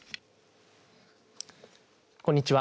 こんにちは。